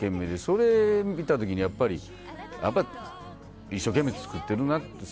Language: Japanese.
それを見た時に一生懸命作っているなって。